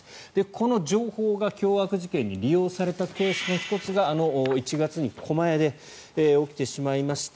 この情報が凶悪事件に利用されたケースの１つが１月に狛江で起きてしまいました